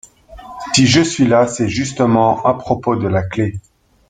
Si je suis là, c’est justement à propos de la clef !…